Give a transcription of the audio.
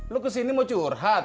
lu kesini mau curhat